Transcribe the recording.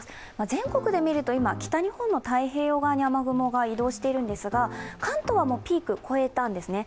全国で見ると北日本の太平洋側に雨雲が移動しているんですが関東はもうピークを越えたんですね。